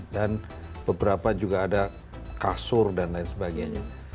dan beberapa juga ada kasur dan lain sebagainya